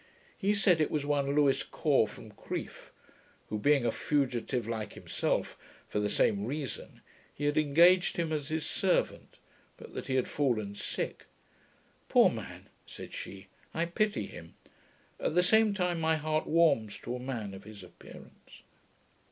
He said it was one Lewis Caw, from Crieff, who being a fugitive like himself, for the same reason, he had engaged him as his servant, but that he had fallen sick. 'Poor man!' said she, 'I pity him. At the same time my heart warms to a man of his appearance.'